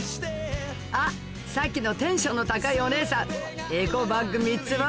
あっさっきのテンションの高いお姉さんエコバッグ３つ分！